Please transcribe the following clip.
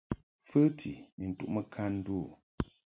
Fəti ni ntuʼmɨ kan ndu u.